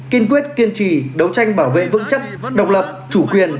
kiên quyết kiên trì đấu tranh bảo vệ vững chắc độc lập chủ quyền